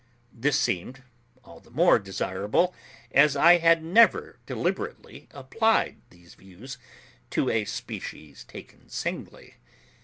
This seemed all the more desirable, as I had never deliberately applied these views to a species taken singly.